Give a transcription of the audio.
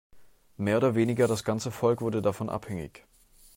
Mehr oder weniger das ganze Volk wurde davon abhängig.